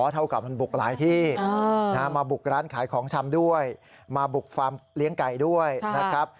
เท่ากับมันบุกหลายที่มาบุกร้านขายของชำด้วยมาบุกฟาร์มเลี้ยงไก่ด้วยนะครับ